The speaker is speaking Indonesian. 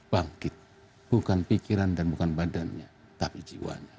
bangkit bukan pikiran dan bukan badannya tapi jiwanya